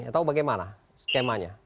atau bagaimana skemanya